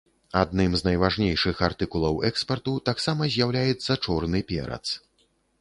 Адным з найважнейшых артыкулаў экспарту таксама з'яўляецца чорны перац.